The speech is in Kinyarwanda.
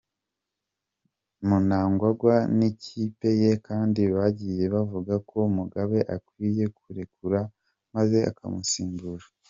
Mnangagwa n’ikipe ye kandi bagiye bavuga ko Mugabe akwiye kurekura maze akamusimbura.